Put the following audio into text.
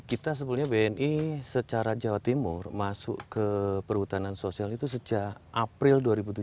kita sebetulnya bni secara jawa timur masuk ke perhutanan sosial itu sejak april dua ribu tujuh belas